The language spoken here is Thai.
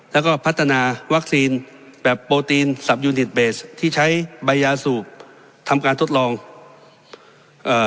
แล้วก็พัฒนาวัคซีนแบบโปรตีนสับยูนิตเบสที่ใช้ใบยาสูบทำการทดลองเอ่อ